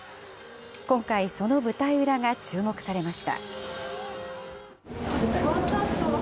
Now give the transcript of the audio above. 今回、その舞台裏が注目されました。